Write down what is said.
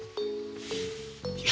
いや。